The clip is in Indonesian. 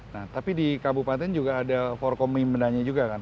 nah tapi di kabupaten juga ada forkomindanya juga kan